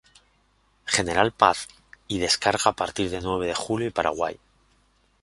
Gral Paz y descarga a partir de Nueve de Julio y Paraguay.